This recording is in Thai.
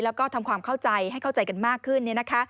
แล้วก็ทำความเข้าใจให้เข้าใจกันมากขึ้น